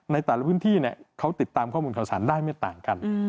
ในแต่ละพื้นที่เขาติดตามข้อมูลข่าวสารได้ไม่ต่างกัน